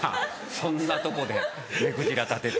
そんなとこで目くじら立てて。